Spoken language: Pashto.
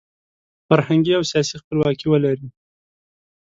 فرهنګي او سیاسي خپلواکي ولري.